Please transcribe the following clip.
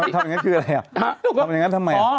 ทำอย่างนั้นคืออะไร